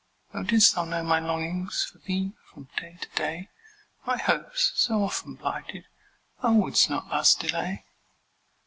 Oh, didst thou know my longings For thee, from day to day, My hopes, so often blighted, Thou wouldst not thus delay!